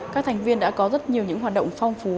các thành viên đã có rất nhiều những hoạt động phong phú